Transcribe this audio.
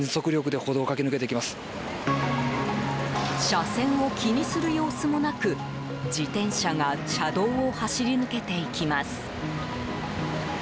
車線を気にする様子もなく自転車が車道を走り抜けていきます。